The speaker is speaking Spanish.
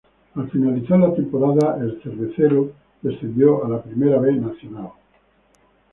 Al finalizar la temporada, el "Cervecero" descendió a la Primera B Nacional.